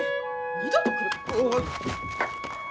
二度と来るか！